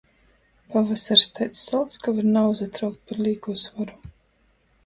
Pavasars taids solts, ka var nauzatraukt par līkū svoru.